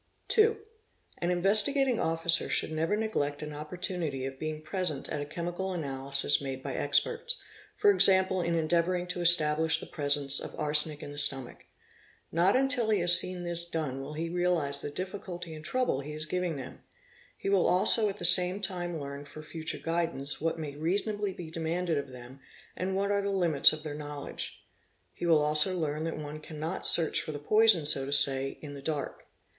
2. An Investigating Officer should never neglect an opportunity of — being present at a chemical analysis made by experts—for example, in endeavouring to establish the presence of arsenic in the stomach. Not — until he has seen this done will he realize the difficulty and trouble he is giving them; he will also at fhe same time learn for future guidance what may reasonably be demanded of them and what are the limits of their knowledge. He will also learn that one cannot search for the poison, so to say, in the dark.